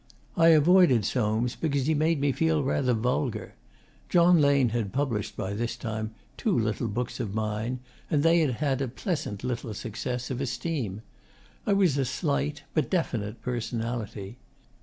I avoided Soames because he made me feel rather vulgar. John Lane had published, by this time, two little books of mine, and they had had a pleasant little success of esteem. I was a slight but definite 'personality.